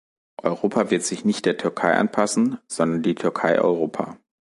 Europa wird sich nicht der Türkei anpassen, sondern die Türkei Europa.